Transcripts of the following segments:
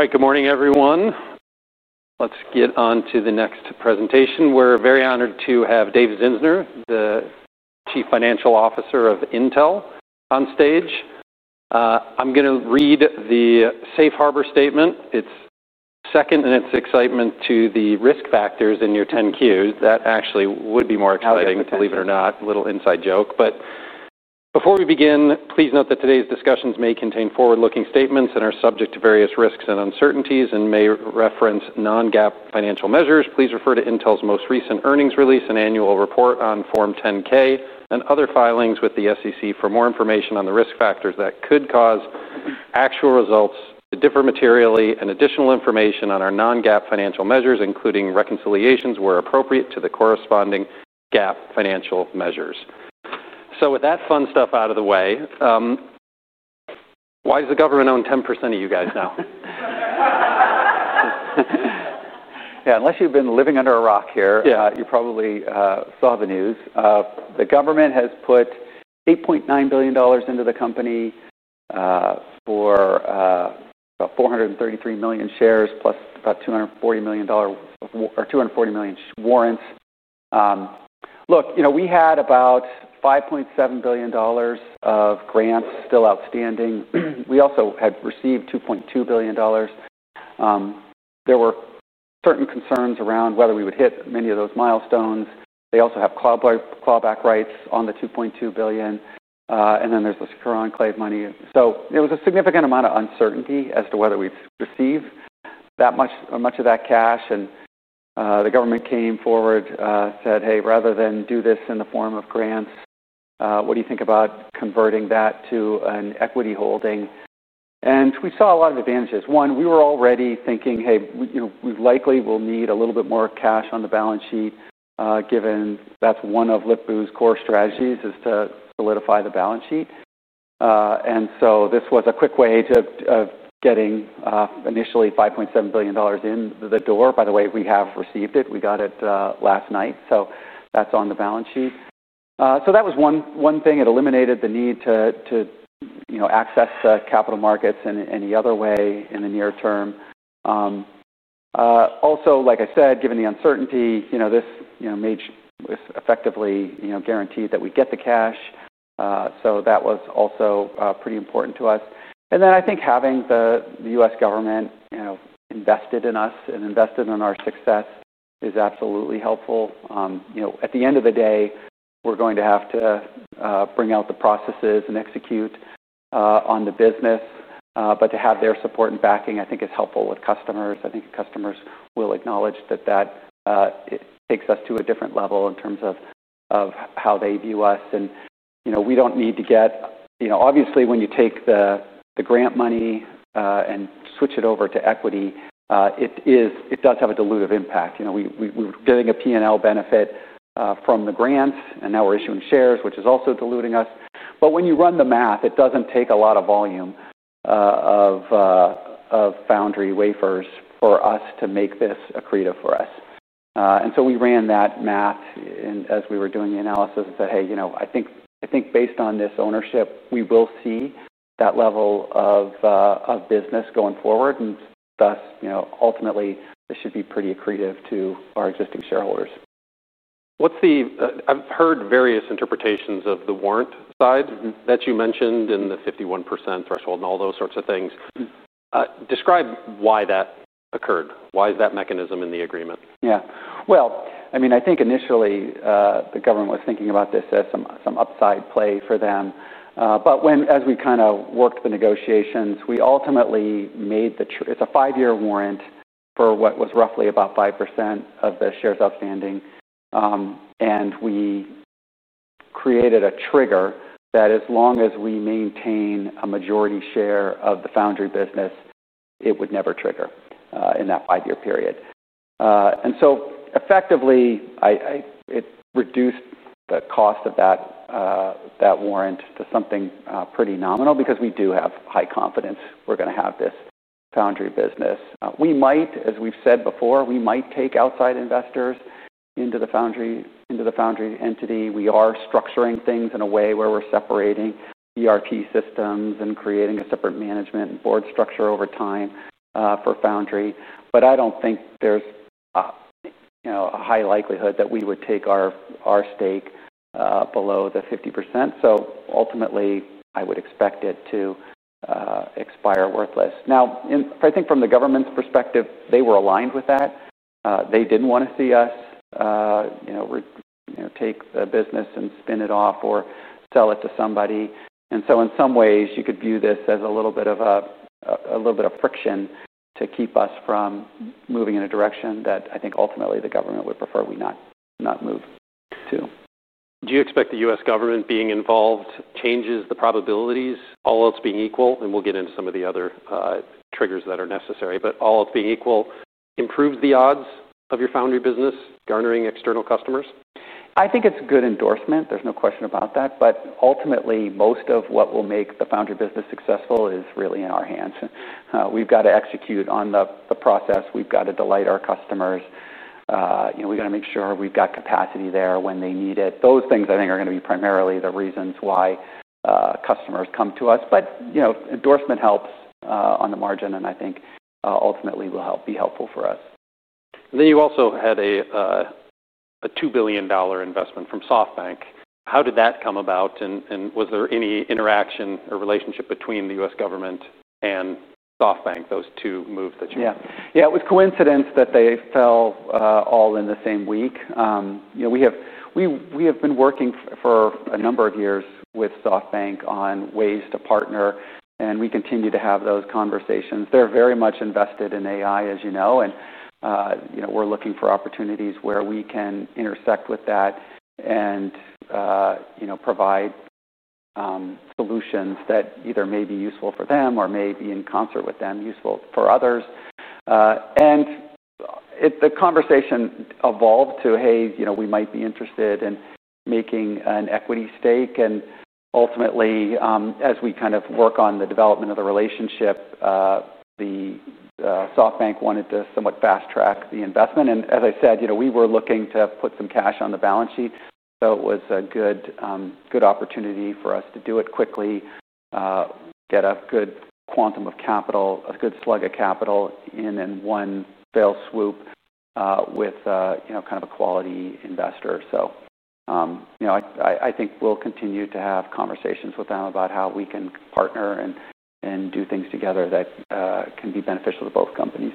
All right, good morning, everyone. Let's get on to the next presentation. We're very honored to have David Zinsner, the Chief Financial Officer of Intel, on stage. I'm going to read the safe harbor statement. It's second in its excitement to the risk factors in your 10Qs. That actually would be more exciting, believe it or not, a little inside joke. Before we begin, please note that today's discussions may contain forward-looking statements and are subject to various risks and uncertainties and may reference non-GAAP financial measures. Please refer to Intel's most recent earnings release and annual report on Form 10-K and other filings with the SEC for more information on the risk factors that could cause actual results to differ materially and additional information on our non-GAAP financial measures, including reconciliations where appropriate to the corresponding GAAP financial measures. With that fun stuff out of the way, why does the government own 10% of you guys now? Unless you've been living under a rock here, you probably saw the news. The government has put $8.9 billion into the company for about 433 million shares plus about $240 million in warrants. Look, you know we had about $5.7 billion of grants still outstanding. We also had received $2.2 billion. There were certain concerns around whether we would hit many of those milestones. They also have clawback rights on the $2.2 billion. Then there's the secure enclave money. There was a significant amount of uncertainty as to whether we'd receive that much or much of that cash. The government came forward, said, hey, rather than do this in the form of grants, what do you think about converting that to an equity holding? We saw a lot of advantages. One, we were already thinking, hey, we likely will need a little bit more cash on the balance sheet, given that's one of Pat Gelsinger's core strategies is to solidify the balance sheet. This was a quick way to getting initially $5.7 billion in the door. By the way, we have received it. We got it last night. That's on the balance sheet. That was one thing. It eliminated the need to access capital markets in any other way in the near term. Also, like I said, given the uncertainty, this was effectively guaranteed that we'd get the cash. That was also pretty important to us. I think having the U.S. government invested in us and invested in our success is absolutely helpful. At the end of the day, we're going to have to bring out the processes and execute on the business. To have their support and backing, I think, is helpful with customers. I think customers will acknowledge that takes us to a different level in terms of how they view us. We don't need to get, obviously, when you take the grant money and switch it over to equity, it does have a dilutive impact. We're getting a P&L benefit from the grants, and now we're issuing shares, which is also diluting us. When you run the math, it doesn't take a lot of volume of foundry wafers for us to make this accretive for us. We ran that math as we were doing the analysis and said, hey, I think based on this ownership, we will see that level of business going forward. Thus, ultimately, this should be pretty accretive to our existing shareholders. I've heard various interpretations of the warrant side that you mentioned in the 51% threshold and all those sorts of things. Describe why that occurred, why that mechanism in the agreement. I think initially, the government was thinking about this as some upside play for them. As we kind of worked the negotiations, we ultimately made the, it's a five-year warrant for what was roughly about 5% of the shares outstanding. We created a trigger that as long as we maintain a majority share of the foundry business, it would never trigger in that five-year period. Effectively, it reduced the cost of that warrant to something pretty nominal because we do have high confidence we're going to have this foundry business. We might, as we've said before, take outside investors into the foundry entity. We are structuring things in a way where we're separating ERP systems and creating a separate management and board structure over time for foundry. I don't think there's a high likelihood that we would take our stake below the 50%. Ultimately, I would expect it to expire worthless. I think from the government's perspective, they were aligned with that. They didn't want to see us take the business and spin it off or sell it to somebody. In some ways, you could view this as a little bit of a friction to keep us from moving in a direction that I think ultimately the government would prefer we not move to. Do you expect the U.S. government being involved changes the probabilities, all else being equal? We'll get into some of the other triggers that are necessary. All else being equal, improves the odds of your foundry business garnering external customers? I think it's good endorsement. There's no question about that. Ultimately, most of what will make the foundry business successful is really in our hands. We've got to execute on the process. We've got to delight our customers. We've got to make sure we've got capacity there when they need it. Those things, I think, are going to be primarily the reasons why customers come to us. Endorsement helps on the margin, and I think ultimately will be helpful for us. You also had a $2 billion investment from SoftBank. How did that come about? Was there any interaction or relationship between the U.S. government and SoftBank, those two moves that you made? Yeah, it was coincidence that they fell all in the same week. We have been working for a number of years with SoftBank on ways to partner. We continue to have those conversations. They're very much invested in AI, as you know. We're looking for opportunities where we can intersect with that and provide solutions that either may be useful for them or may be in concert with them useful for others. The conversation evolved to, hey, we might be interested in making an equity stake. Ultimately, as we kind of work on the development of the relationship, SoftBank wanted to somewhat fast-track the investment. As I said, we were looking to put some cash on the balance sheet. It was a good opportunity for us to do it quickly, get a good quantum of capital, a good slug of capital in one fell swoop with kind of a quality investor. I think we'll continue to have conversations with them about how we can partner and do things together that can be beneficial to both companies.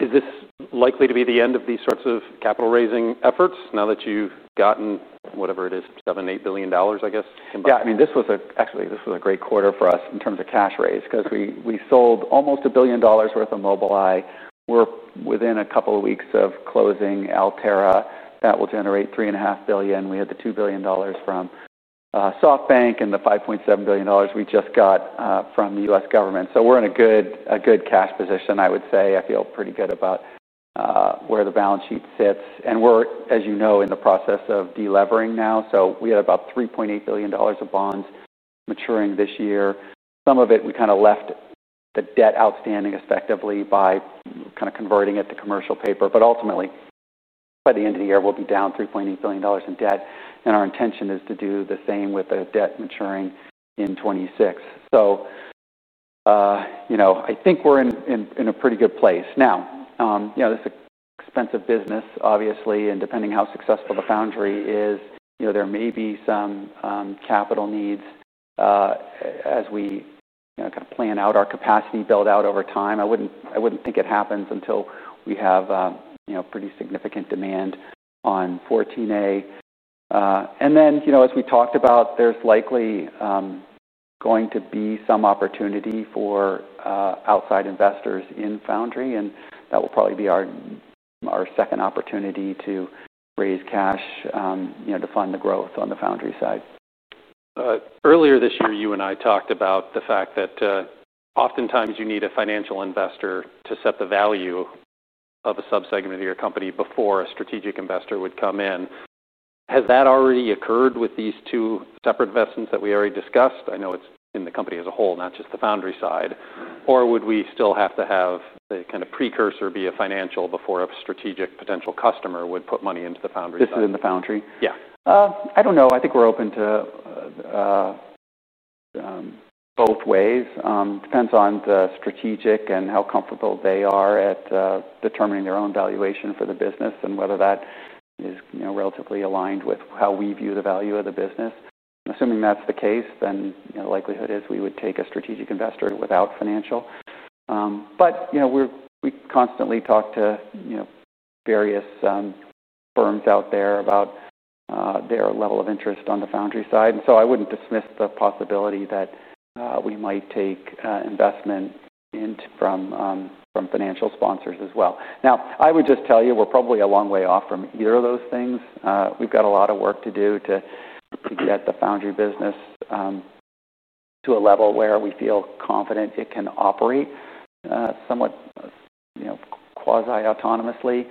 Is this likely to be the end of these sorts of capital raising efforts now that you've gotten whatever it is, $7 billion, $8 billion, I guess? Yeah, I mean, this was actually a great quarter for us in terms of cash raise because we sold almost $1 billion worth of Mobileye. We're within a couple of weeks of closing Altera. That will generate $3.5 billion. We had the $2 billion from SoftBank and the $5.7 billion we just got from the U.S. government. We're in a good cash position, I would say. I feel pretty good about where the balance sheet sits. We're, as you know, in the process of deleveraging now. We had about $3.8 billion of bonds maturing this year. Some of it we kind of left the debt outstanding effectively by kind of converting it to commercial paper. Ultimately, by the end of the year, we'll be down $3.8 billion in debt. Our intention is to do the same with the debt maturing in 2026. I think we're in a pretty good place. This is an expensive business, obviously. Depending on how successful the foundry is, there may be some capital needs as we kind of plan out our capacity build-out over time. I wouldn't think it happens until we have pretty significant demand on Intel 14A. As we talked about, there's likely going to be some opportunity for outside investors in foundry. That will probably be our second opportunity to raise cash to fund the growth on the foundry side. Earlier this year, you and I talked about the fact that oftentimes you need a financial investor to set the value of a subsegment of your company before a strategic investor would come in. Has that already occurred with these two separate investments that we already discussed? I know it's in the company as a whole, not just the foundry side. Would we still have to have a kind of precursor be a financial before a strategic potential customer would put money into the foundry side? This is in the foundry? Yeah. I don't know. I think we're open to both ways. It depends on the strategic and how comfortable they are at determining their own valuation for the business and whether that is relatively aligned with how we view the value of the business. Assuming that's the case, the likelihood is we would take a strategic investor without financial. We constantly talk to various firms out there about their level of interest on the foundry side, so I wouldn't dismiss the possibility that we might take investment from financial sponsors as well. I would just tell you we're probably a long way off from either of those things. We've got a lot of work to do to get the foundry business to a level where we feel confident it can operate somewhat quasi-autonomously.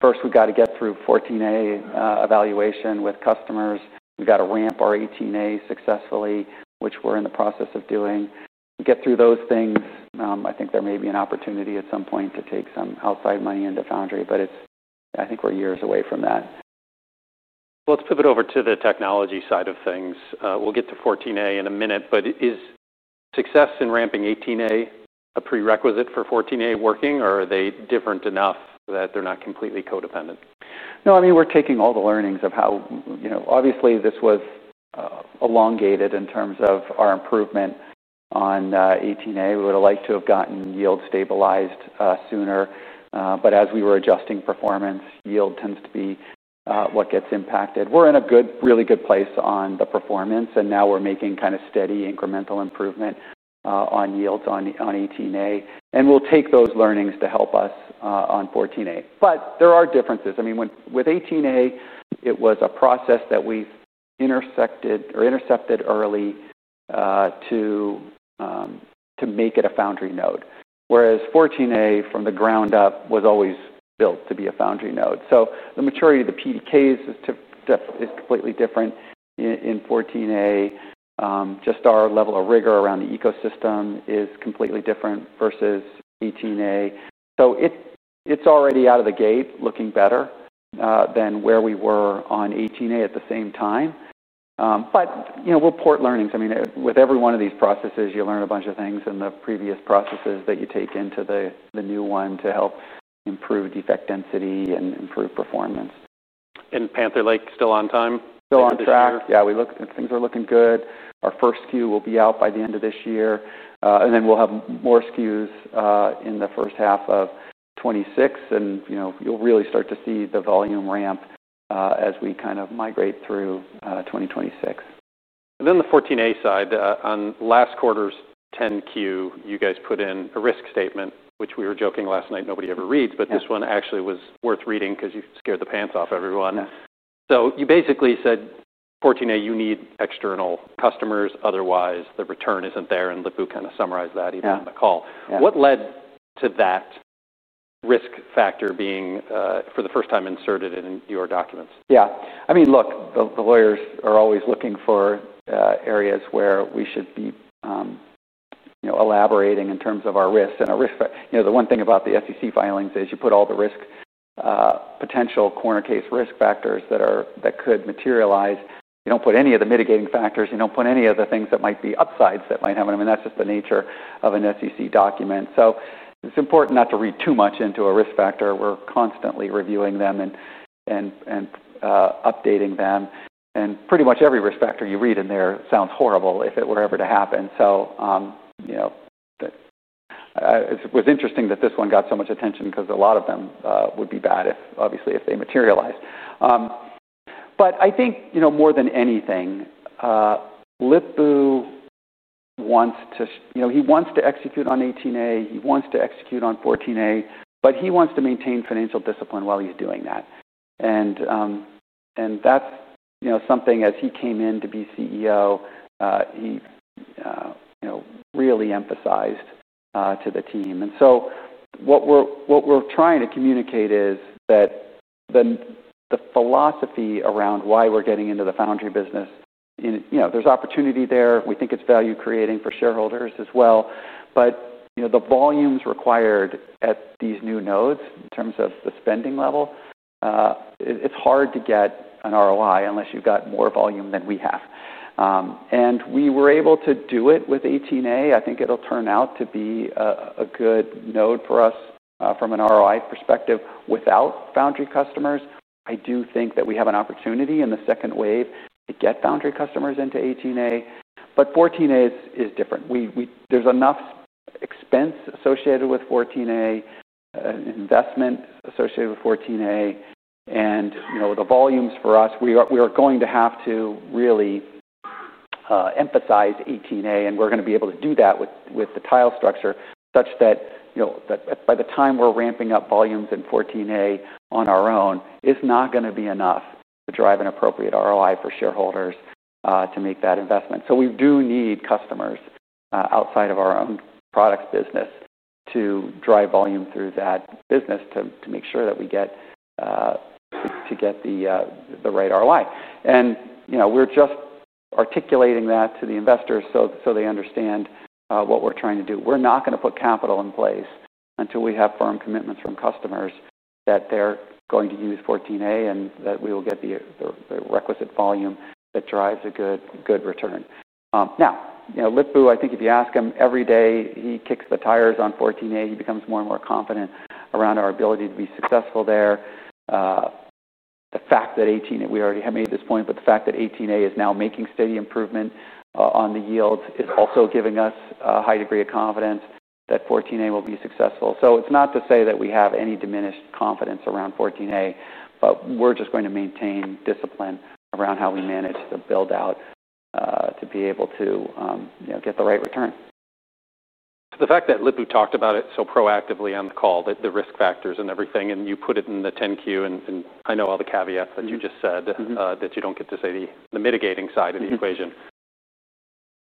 First, we've got to get through Intel 14A evaluation with customers. We've got to ramp our Intel 18A successfully, which we're in the process of doing. Get through those things, and I think there may be an opportunity at some point to take some outside money into foundry. I think we're years away from that. Let's pivot over to the technology side of things. We'll get to Intel 14A in a minute. Is success in ramping Intel 18A a prerequisite for Intel 14A working, or are they different enough that they're not completely codependent? No, I mean, we're taking all the learnings of how, obviously, this was elongated in terms of our improvement on 18A. We would have liked to have gotten yield stabilized sooner. As we were adjusting performance, yield tends to be what gets impacted. We're in a really good place on the performance, and now we're making kind of steady incremental improvement on yields on 18A. We'll take those learnings to help us on 14A. There are differences. With 18A, it was a process that we intercepted early to make it a foundry node, whereas 14A, from the ground up, was always built to be a foundry node. The maturity of the PDKs is completely different in 14A. Just our level of rigor around the ecosystem is completely different versus 18A. It's already out of the gate looking better than where we were on 18A at the same time. We'll port learnings. With every one of these processes, you learn a bunch of things in the previous processes that you take into the new one to help improve defect density and improve performance. Is Panther Lake still on time? Still on track. Yeah, things are looking good. Our first SKU will be out by the end of this year, and we'll have more SKUs in the first half of 2026. You'll really start to see the volume ramp as we kind of migrate through 2026. On the 14A side, on last quarter's 10Q, you guys put in a risk statement, which we were joking last night nobody ever reads. This one actually was worth reading because you scared the pants off everyone. You basically said 14A, you need external customers, otherwise the return isn't there. Pat Gelsinger kind of summarized that even in the call. What led to that risk factor being for the first time inserted in your documents? Yeah, I mean, look, the lawyers are always looking for areas where we should be elaborating in terms of our risks. The one thing about the SEC filings is you put all the risk potential corner case risk factors that could materialize. You don't put any of the mitigating factors. You don't put any of the things that might be upsides that might happen. I mean, that's just the nature of an SEC document. It's important not to read too much into a risk factor. We're constantly reviewing them and updating them. Pretty much every risk factor you read in there sounds horrible if it were ever to happen. It was interesting that this one got so much attention because a lot of them would be bad, obviously, if they materialize. I think more than anything, Pat wants to execute on 18A. He wants to execute on 14A. He wants to maintain financial discipline while he's doing that. That's something, as he came in to be CEO, he really emphasized to the team. What we're trying to communicate is that the philosophy around why we're getting into the foundry business, you know, there's opportunity there. We think it's value creating for shareholders as well. The volumes required at these new nodes in terms of the spending level, it's hard to get an ROI unless you've got more volume than we have. We were able to do it with 18A. I think it'll turn out to be a good node for us from an ROI perspective without foundry customers. I do think that we have an opportunity in the second wave to get foundry customers into 18A. 14A is different. There's enough expense associated with 14A, investment associated with 14A. The volumes for us, we are going to have to really emphasize 18A. We're going to be able to do that with the tile structure such that by the time we're ramping up volumes in 14A on our own, it's not going to be enough to drive an appropriate ROI for shareholders to make that investment. We do need customers outside of our own products business to drive volume through that business to make sure that we get the right ROI. We're just articulating that to the investors so they understand what we're trying to do. We're not going to put capital in place until we have firm commitments from customers that they're going to use 14A and that we will get the requisite volume that drives a good return. Now, Pat, I think if you ask him, every day he kicks the tires on 14A. He becomes more and more confident around our ability to be successful there. The fact that Intel 18A, we already have made this point, but the fact that Intel 18A is now making steady improvement on the yields is also giving us a high degree of confidence that Intel 14A will be successful. It is not to say that we have any diminished confidence around Intel 14A. We are just going to maintain discipline around how we manage the build-out to be able to get the right return. The fact that Pat Gelsinger talked about it so proactively on the call, the risk factors and everything, and you put it in the 10Q, and I know all the caveats that you just said that you don't get to say the mitigating side of the equation.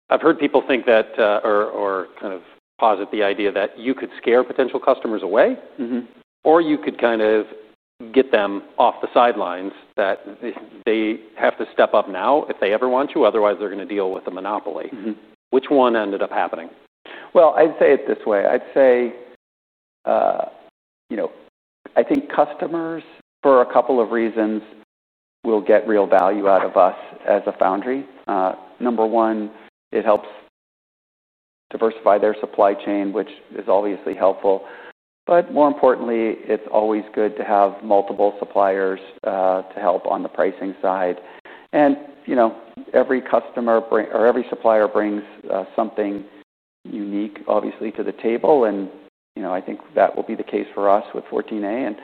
I've heard people think that or kind of posit the idea that you could scare potential customers away, or you could kind of get them off the sidelines that they have to step up now if they ever want you. Otherwise, they're going to deal with a monopoly. Which one ended up happening? I’d say it this way. I think customers, for a couple of reasons, will get real value out of us as a foundry. Number one, it helps diversify their supply chain, which is obviously helpful. More importantly, it's always good to have multiple suppliers to help on the pricing side. Every customer or every supplier brings something unique, obviously, to the table. I think that will be the case for us with Intel 14A.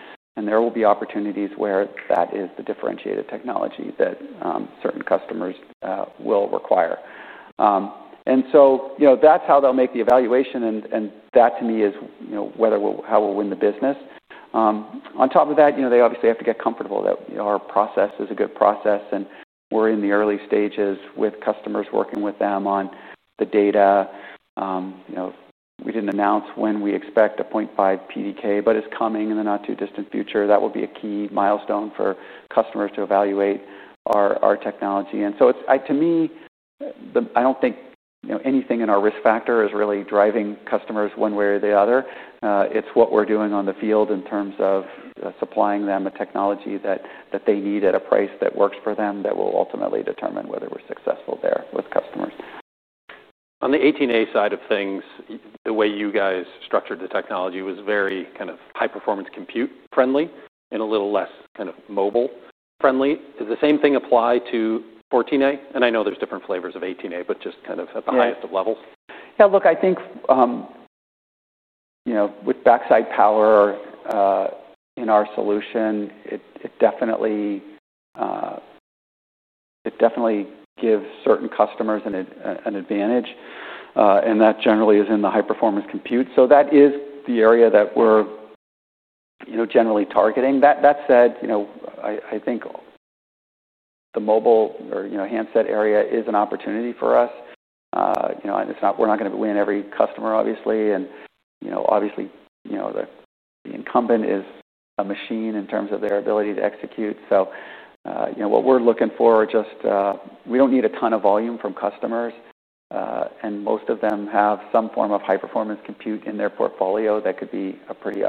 There will be opportunities where that is the differentiated technology that certain customers will require. That’s how they'll make the evaluation, and that, to me, is how we'll win the business. On top of that, they obviously have to get comfortable that our process is a good process. We're in the early stages with customers, working with them on the data. We didn't announce when we expect a 0.5 PDK, but it's coming in the not-too-distant future. That will be a key milestone for customers to evaluate our technology. To me, I don't think anything in our risk factor is really driving customers one way or the other. It's what we're doing on the field in terms of supplying them the technology that they need at a price that works for them that will ultimately determine whether we're successful there with customers. On the 18A side of things, the way you guys structured the technology was very kind of high-performance compute-friendly and a little less kind of mobile-friendly. Does the same thing apply to 14A? I know there's different flavors of 18A, but just kind of at the highest of levels. Yeah, look, I think with backside power in our solution, it definitely gives certain customers an advantage. That generally is in the high-performance compute. That is the area that we're generally targeting. That said, I think the mobile or handset area is an opportunity for us. We're not going to win every customer, obviously. The incumbent is a machine in terms of their ability to execute. What we're looking for is just we don't need a ton of volume from customers. Most of them have some form of high-performance compute in their portfolio that could be a pretty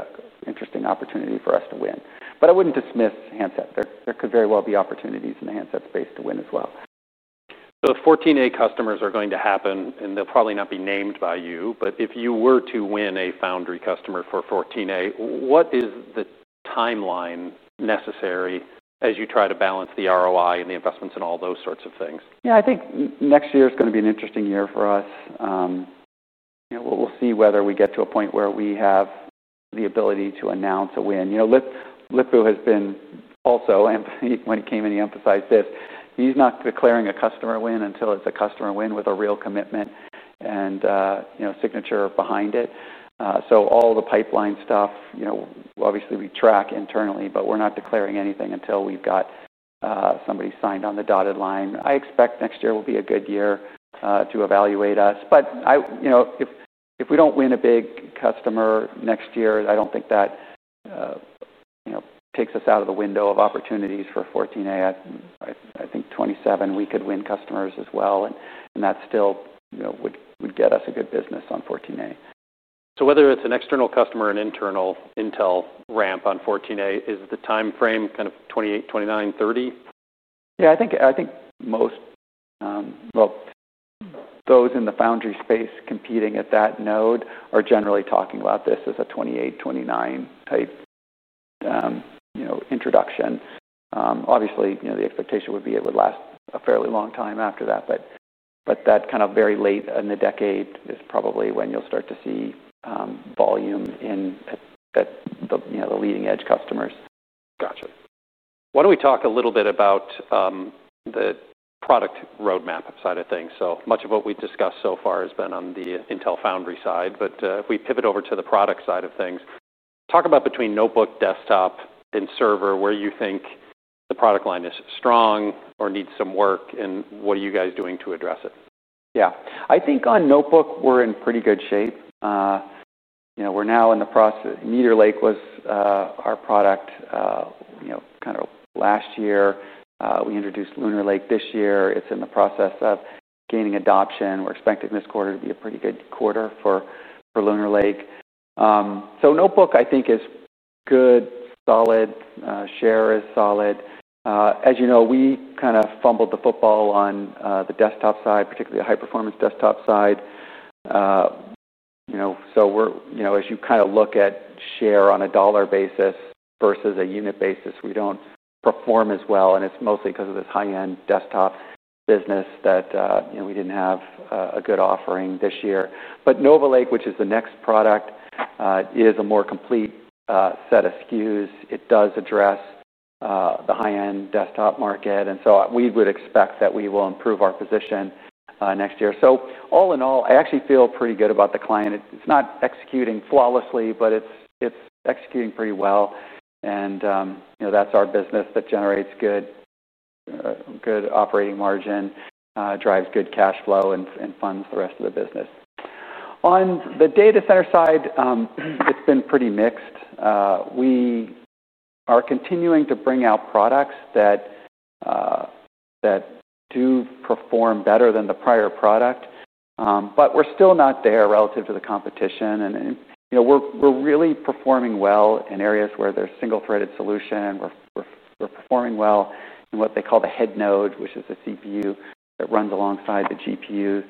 interesting opportunity for us to win. I wouldn't dismiss handset. There could very well be opportunities in the handset space to win as well. Fourteen A customers are going to happen. They'll probably not be named by you. If you were to win a foundry customer for Intel 14A, what is the timeline necessary as you try to balance the ROI and the investments and all those sorts of things? Yeah, I think next year is going to be an interesting year for us. We'll see whether we get to a point where we have the ability to announce a win. Lip-Bu has been also, when he came in, he emphasized this. He's not declaring a customer win until it's a customer win with a real commitment and signature behind it. All the pipeline stuff, you know, obviously, we track internally. We're not declaring anything until we've got somebody signed on the dotted line. I expect next year will be a good year to evaluate us. If we don't win a big customer next year, I don't think that takes us out of the window of opportunities for Intel 14A. I think 2027, we could win customers as well. That still would get us a good business on Intel 14A. Whether it's an external customer or an internal Intel ramp on Intel 14A, is the time frame kind of 2028, 2029, 2030? I think most, those in the foundry space competing at that node are generally talking about this as a 2028, 2029 type introduction. Obviously, the expectation would be it would last a fairly long time after that. That kind of very late in the decade is probably when you'll start to see volume in the leading edge customers. Gotcha. Why don't we talk a little bit about the product roadmap side of things? So much of what we've discussed so far has been on the Intel foundry side. If we pivot over to the product side of things, talk about between notebook, desktop, and server, where you think the product line is strong or needs some work. What are you guys doing to address it? Yeah, I think on notebook, we're in pretty good shape. We're now in the process. Meteor Lake was our product kind of last year. We introduced Lunar Lake this year. It's in the process of gaining adoption. We're expecting this quarter to be a pretty good quarter for Lunar Lake. Notebook, I think, is good, solid. Share is solid. As you know, we kind of fumbled the football on the desktop side, particularly the high-performance desktop side. As you kind of look at share on a dollar basis versus a unit basis, we don't perform as well. It's mostly because of this high-end desktop business that we didn't have a good offering this year. Nova Lake, which is the next product, is a more complete set of SKUs. It does address the high-end desktop market. We would expect that we will improve our position next year. All in all, I actually feel pretty good about the client. It's not executing flawlessly, but it's executing pretty well. That's our business that generates good operating margin, drives good cash flow, and funds the rest of the business. On the data center side, it's been pretty mixed. We are continuing to bring out products that do perform better than the prior product. We're still not there relative to the competition. We're really performing well in areas where there's a single-threaded solution. We're performing well in what they call the head node, which is a CPU that runs alongside the GPU.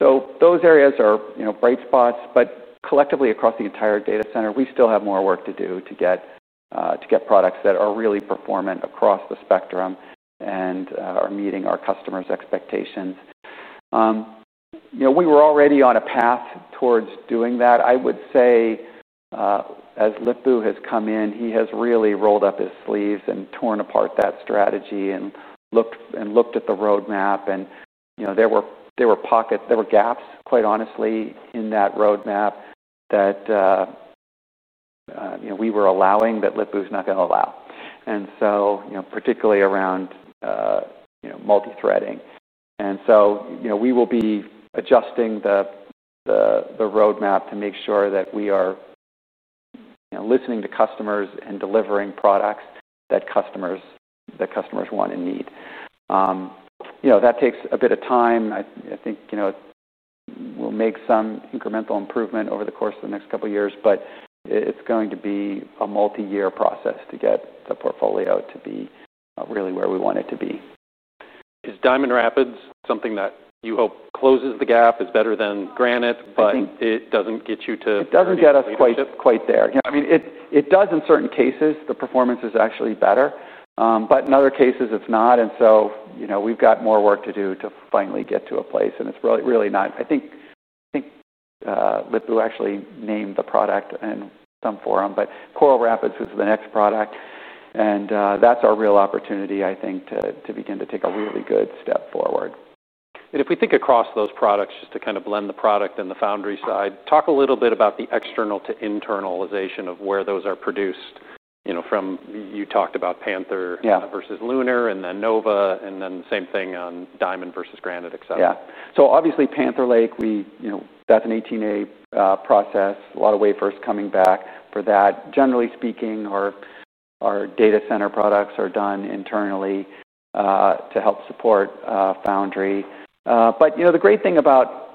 Those areas are bright spots. Collectively, across the entire data center, we still have more work to do to get products that are really performant across the spectrum and are meeting our customers' expectations. We were already on a path towards doing that. I would say, as Pat Gelsinger has come in, he has really rolled up his sleeves and torn apart that strategy and looked at the roadmap. There were gaps, quite honestly, in that roadmap that we were allowing that Pat Gelsinger is not going to allow, particularly around multi-threading. We will be adjusting the roadmap to make sure that we are listening to customers and delivering products that customers want and need. That takes a bit of time. I think we'll make some incremental improvement over the course of the next couple of years. It's going to be a multi-year process to get the portfolio to be really where we want it to be. Is Diamond Rapids something that you hope closes the gap? It's better than Granite, but it doesn't get you to. It doesn't get us quite there. Yeah, I mean, it does in certain cases. The performance is actually better, but in other cases, it's not. We've got more work to do to finally get to a place. It's really not. I think Lip-Bu actually named the product in some forum, but Coral Rapids is the next product. That's our real opportunity, I think, to begin to take a really good step forward. If we think across those products just to kind of blend the product and the foundry side, talk a little bit about the external to internalization of where those are produced. You know, you talked about Panther versus Lunar and then Nova and then the same thing on Diamond versus Granite, et cetera. Yeah, so obviously Panther Lake, that's an 18A process. A lot of wafers coming back for that. Generally speaking, our data center products are done internally to help support foundry. The great thing about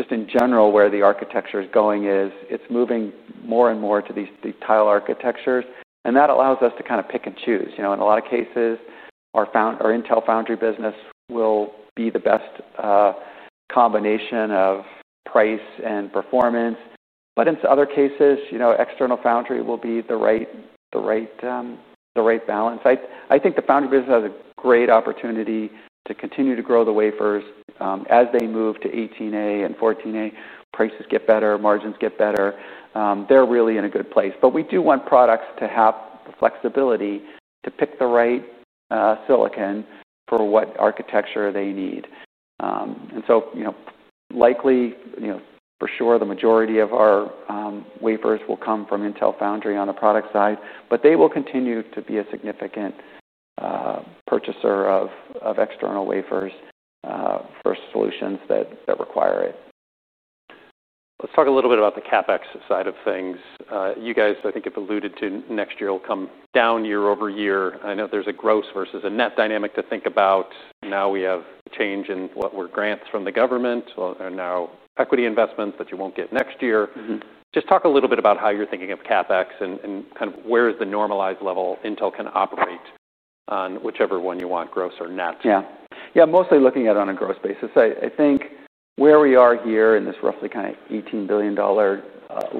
just in general where the architecture is going is it's moving more and more to these tile architectures. That allows us to kind of pick and choose. In a lot of cases, our Intel Foundry Services business will be the best combination of price and performance. In other cases, external foundry will be the right balance. I think the foundry business has a great opportunity to continue to grow the wafers as they move to 18A and 14A. Prices get better. Margins get better. They're really in a good place. We do want products to have the flexibility to pick the right silicon for what architecture they need. Likely, for sure, the majority of our wafers will come from Intel Foundry Services on the product side. They will continue to be a significant purchaser of external wafers for solutions that require it. Let's talk a little bit about the CapEx side of things. You guys, I think, have alluded to next year will come down year over year. I know there's a gross versus a net dynamic to think about. Now we have change in what were grants from the government and now equity investments that you won't get next year. Just talk a little bit about how you're thinking of CapEx and kind of where is the normalized level Intel can operate on whichever one you want, gross or net. Yeah, mostly looking at it on a gross basis. I think where we are here in this roughly kind of $18 billion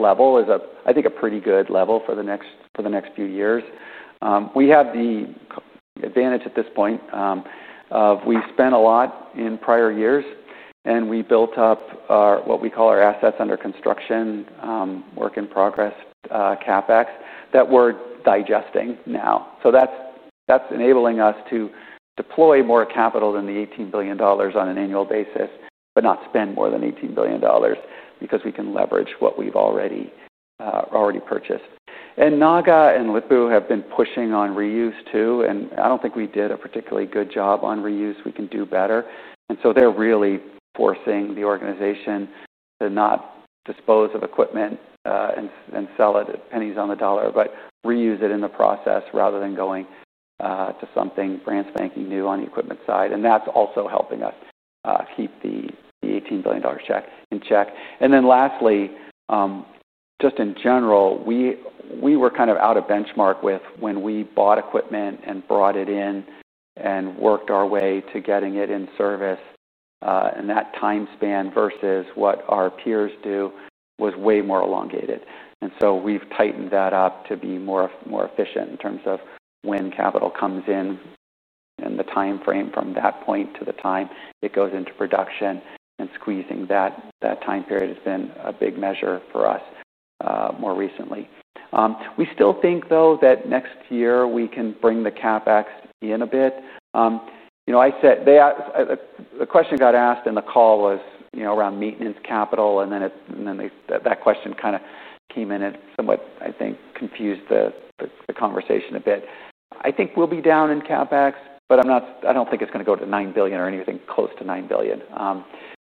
level is, I think, a pretty good level for the next few years. We have the advantage at this point. We spent a lot in prior years, and we built up what we call our assets under construction, work in progress, CapEx that we're digesting now. That is enabling us to deploy more capital than the $18 billion on an annual basis, but not spend more than $18 billion because we can leverage what we've already purchased. Naga and Lip-Bu have been pushing on reuse too. I don't think we did a particularly good job on reuse. We can do better. They are really forcing the organization to not dispose of equipment and sell it at pennies on the dollar, but reuse it in the process rather than going to something brand spanking new on the equipment side. That is also helping us keep the $18 billion check in check. Lastly, just in general, we were kind of out of benchmark with when we bought equipment and brought it in and worked our way to getting it in service. That time span versus what our peers do was way more elongated. We have tightened that up to be more efficient in terms of when capital comes in and the time frame from that point to the time it goes into production. Squeezing that time period has been a big measure for us more recently. We still think, though, that next year we can bring the CapEx in a bit. The question that got asked in the call was around maintenance capital, and that question kind of came in and somewhat, I think, confused the conversation a bit. I think we'll be down in CapEx, but I don't think it's going to go to $9 billion or anything close to $9 billion.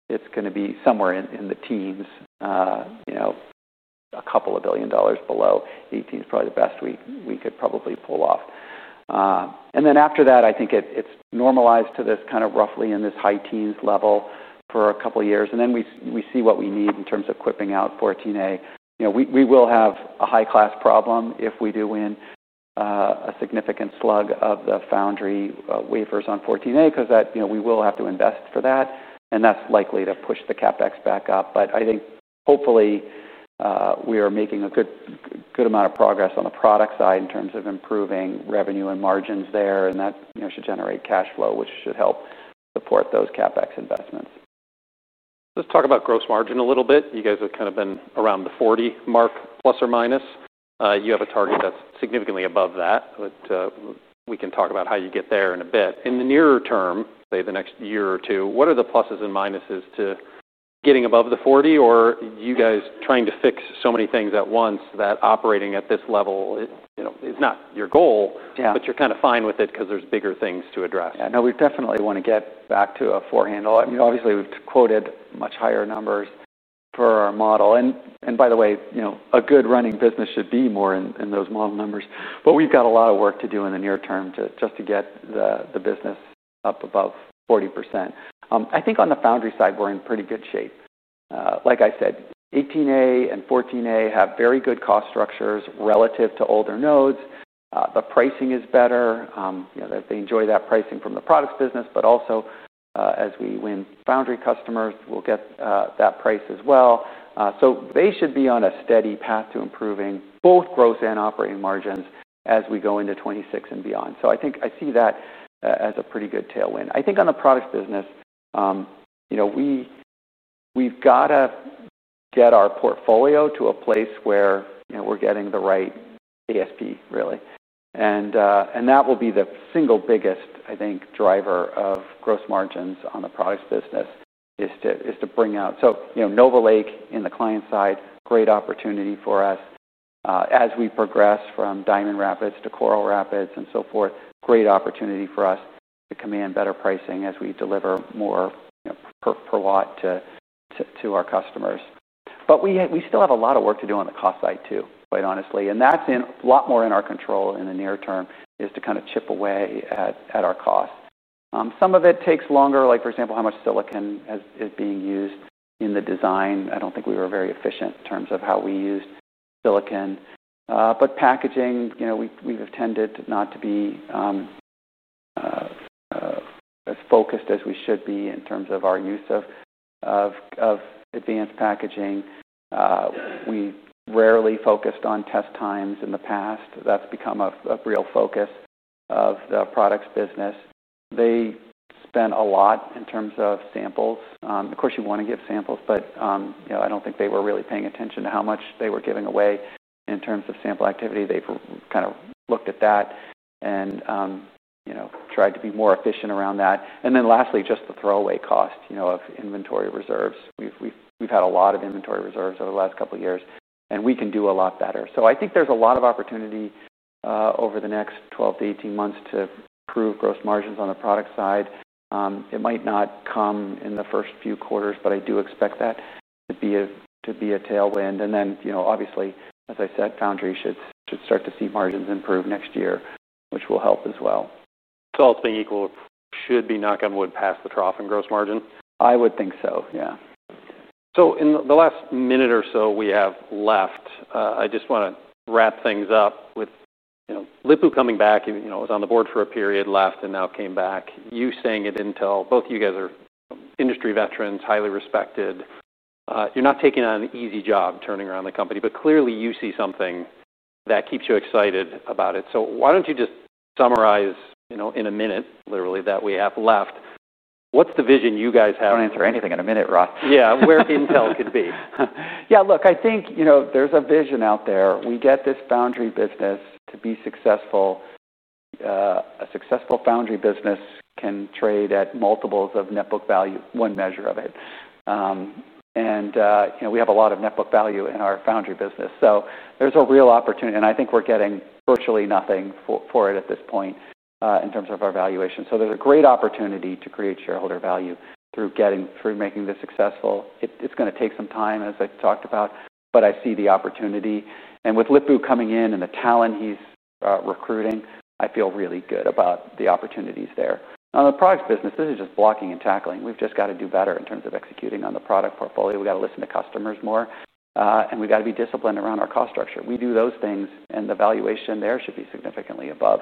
It's going to be somewhere in the teens, a couple of billion dollars below. $18 billion is probably the best we could probably pull off. After that, I think it's normalized to this kind of roughly in this high teens level for a couple of years. We see what we need in terms of equipping out Intel 14A. We will have a high-class problem if we do win a significant slug of the foundry wafers on Intel 14A because we will have to invest for that. That is likely to push the CapEx back up. I think hopefully we are making a good amount of progress on the product side in terms of improving revenue and margins there, and that should generate cash flow, which should help support those CapEx investments. Let's talk about gross margin a little bit. You guys have kind of been around the 40% mark, plus or minus. You have a target that's significantly above that. We can talk about how you get there in a bit. In the nearer term, say the next year or two, what are the pluses and minuses to getting above the 40%? Are you guys trying to fix so many things at once that operating at this level is not your goal, but you're kind of fine with it because there's bigger things to address? Yeah, no, we definitely want to get back to a four handle. Obviously, we've quoted much higher numbers per our model. By the way, a good running business should be more in those model numbers. We've got a lot of work to do in the near term just to get the business up above 40%. I think on the foundry side, we're in pretty good shape. Like I said, Intel 18A and Intel 14A have very good cost structures relative to older nodes. The pricing is better. They enjoy that pricing from the products business. Also, as we win foundry customers, we'll get that price as well. They should be on a steady path to improving both gross and operating margins as we go into 2026 and beyond. I see that as a pretty good tailwind. I think on the products business, we've got to get our portfolio to a place where we're getting the right ASP, really. That will be the single biggest, I think, driver of gross margins on the products business is to bring out. Nova Lake in the client side, great opportunity for us. As we progress from Diamond Rapids to Coral Rapids and so forth, great opportunity for us to command better pricing as we deliver more per lot to our customers. We still have a lot of work to do on the cost side, too, quite honestly. That's a lot more in our control in the near term is to kind of chip away at our costs. Some of it takes longer, like, for example, how much silicon is being used in the design. I don't think we were very efficient in terms of how we used silicon. Packaging, we've tended not to be as focused as we should be in terms of our use of advanced packaging. We rarely focused on test times in the past. That's become a real focus of the products business. They spent a lot in terms of samples. Of course, you want to give samples. I don't think they were really paying attention to how much they were giving away in terms of sample activity. They've kind of looked at that and tried to be more efficient around that. Lastly, just the throwaway cost of inventory reserves. We've had a lot of inventory reserves over the last couple of years. We can do a lot better. I think there's a lot of opportunity over the next 12-18 months to improve gross margins on the product side. It might not come in the first few quarters. I do expect that to be a tailwind. Obviously, as I said, foundry should start to see margins improve next year, which will help as well. Ultimately, Equal should be knocking wood past the trough in gross margin? I would think so, yeah. In the last minute or so we have left, I just want to wrap things up with Pat coming back. He was on the board for a period, left, and now came back. You saying it in Intel, both of you guys are industry veterans, highly respected. You're not taking on an easy job turning around the company. Clearly, you see something that keeps you excited about it. Why don't you just summarize in a minute, literally, that we have left, what's the vision you guys have? Don't answer anything in a minute, Ron. Yeah, where Intel could be. Yeah, look, I think there's a vision out there. We get this foundry business to be successful. A successful foundry business can trade at multiples of net book value, one measure of it. We have a lot of net book value in our foundry business, so there's a real opportunity. I think we're getting virtually nothing for it at this point in terms of our valuation. There's a great opportunity to create shareholder value through making this successful. It's going to take some time, as I talked about. I see the opportunity. With Pat coming in and the talent he's recruiting, I feel really good about the opportunities there. On the products business, this is just blocking and tackling. We've just got to do better in terms of executing on the product portfolio. We've got to listen to customers more, and we've got to be disciplined around our cost structure. We do those things, and the valuation there should be significantly above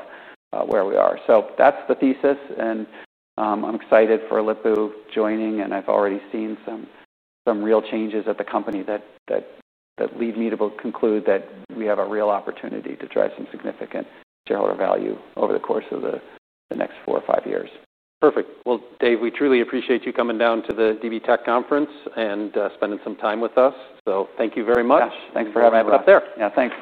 where we are. That's the thesis. I'm excited for Pat joining, and I've already seen some real changes at the company that lead me to conclude that we have a real opportunity to drive some significant shareholder value over the course of the next four or five years. Perfect. Dave, we truly appreciate you coming down to the Deutsche Bank Tech Conference and spending some time with us. Thank you very much. Thanks for having me up there. Thanks.